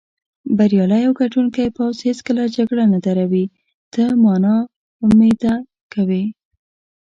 بریالی او ګټوونکی پوځ هېڅکله جګړه نه دروي، ته ما نا امیده کوې.